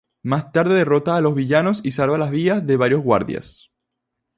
Más tarde derrota a los villanos y salva las vidas de varios guardias.